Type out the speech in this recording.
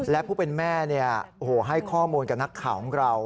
และผู้เป็นแม่ให้ข้อมูลกับนักข่าวของเรา